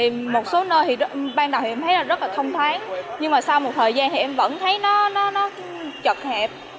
một số nơi ban đầu em thấy rất là thông tháng nhưng mà sau một thời gian em vẫn thấy nó chật hẹp